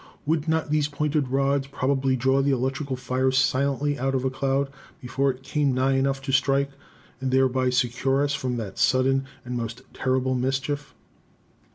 Would not these pointed rods probably draw the electrical fire silently out of a cloud before it came nigh enough to strike, and thereby secure us from that sudden and most terrible mischief?"